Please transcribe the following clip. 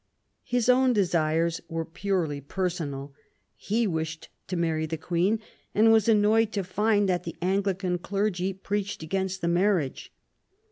His own desires were purely personal ; he wished to marry the Queen, and was annoyed to* find that the Anglican clergy preached against the marriage.